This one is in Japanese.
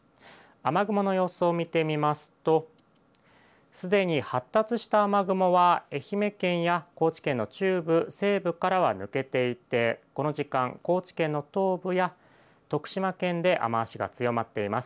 雨雲の様子を見てみますとすでに発達した雨雲は愛媛県や高知県の中部、西部からは抜けていてこの時間、高知県の東部や徳島県で雨足が強まっています。